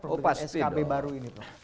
oh pasti dong